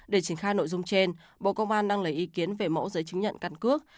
để triển khai nội dung trên bộ công an đang lấy ý kiến về mẫu giấy chứng nhận căn cước